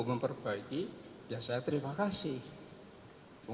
baik baik itu ya saya terima kasih